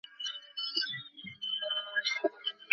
চণ্ডীর মা মাঝে মাঝে দুপুরবেলা এদিকে কাঠ কুড়াতে আসে।